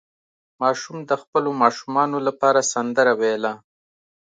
ماشوم د خپلو ماشومانو لپاره سندره ویله.